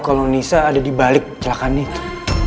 kalau nisa ada dibalik kecelakaan itu